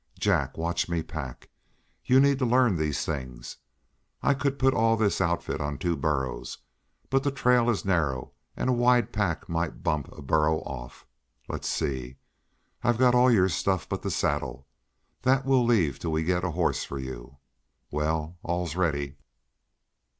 Jack, watch me pack. You need to learn these things. I could put all this outfit on two burros, but the trail is narrow, and a wide pack might bump a burro off. Let's see, I've got all your stuff but the saddle; that we'll leave till we get a horse for you. Well, all's ready."